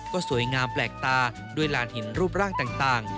ก็สวยงามแปลกตาด้วยลานหินรูปร่างต่าง